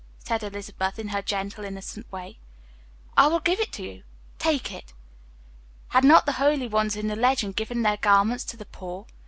said Elizabeth, in her gentle, innocent way, "I will give it to you. Take it." Had not the holy ones in the legends given their garments to the poor?